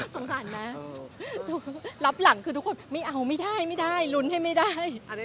สงสารนะรับหลังคือทุกคนไม่เอาไม่ได้ไม่ได้ลุ้นให้ไม่ได้